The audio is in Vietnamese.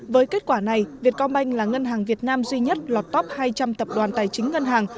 với kết quả này vietcombank là ngân hàng việt nam duy nhất lọt top hai trăm linh tập đoàn tài chính ngân hàng